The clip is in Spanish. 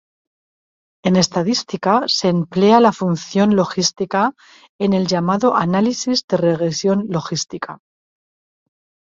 En estadística se emplean la función logística en el llamado análisis de regresión logística.